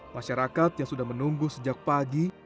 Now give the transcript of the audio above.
masyarakat yang sudah menunggu sejak pagi